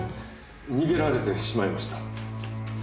逃げられてしまいました。